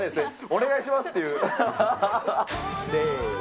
お願いしますっていう。